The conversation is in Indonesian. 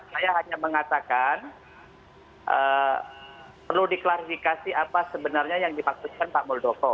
saya hanya mengatakan perlu diklarifikasi apa sebenarnya yang dimaksudkan pak muldoko